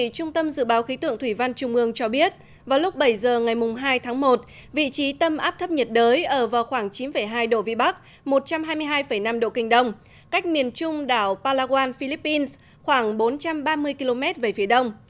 trung tâm dự báo khí tượng thủy văn trung ương cho biết vào lúc bảy giờ ngày hai tháng một vị trí tâm áp thấp nhiệt đới ở vào khoảng chín hai độ vĩ bắc một trăm hai mươi hai năm độ kinh đông cách miền trung đảo palawan philippines khoảng bốn trăm ba mươi km về phía đông